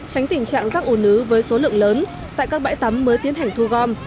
tránh tình trạng rác ủ nứ với số lượng lớn tại các bãi tắm mới tiến hành thu gom